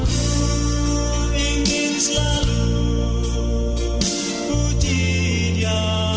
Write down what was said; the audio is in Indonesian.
ku ingin selalu puji dia